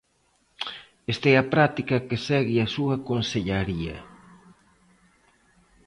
Esta é a práctica que segue a súa consellaría.